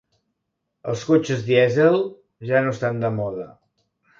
Els cotxes dièsel ja no estan de moda.